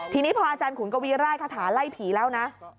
ทีนี้พออาจารย์ขุนกวีร่ายคาถาไล่ผีแล้วนะ